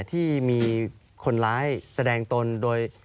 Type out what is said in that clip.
ที่มีคนร้ายแสดงตนโดย